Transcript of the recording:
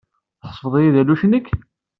Tḥesbeḍ-iyi d alelluc-nnek?